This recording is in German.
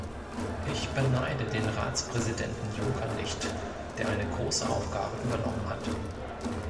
Ich beneide den Ratspräsidenten Juncker nicht, der eine große Aufgabe übernommen hat.